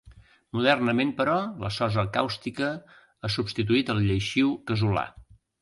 Modernament, però, la sosa càustica ha substituït al lleixiu casolà.